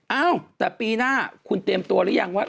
เอ้าแต่ปีหน้าคุณเตรียมตัวหรือยังว่า